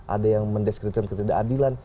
ada yang mendeskripsikan ketidakadilan